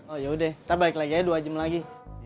oh yaudah kita balik lagi aja dua jam lagi